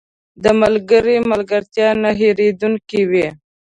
• د ملګري ملګرتیا نه هېریدونکې وي.